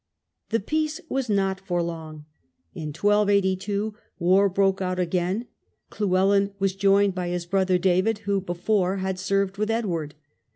The peace was not for long. In 1282 war broke out again. Llewellyn was joined by his brother David, who before had served with Edward.